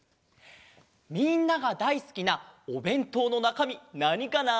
みんながだいすきなおべんとうのなかみなにかな？